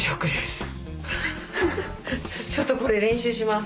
ちょっとこれ練習します。